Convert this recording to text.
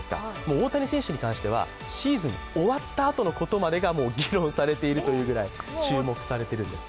大谷選手に関しては、シーズン終わったあとのことまでがもう議論されているというぐらい注目されているんです。